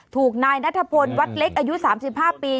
ถูกนายนัทพลวัดเล็กอายุ๓๕ปี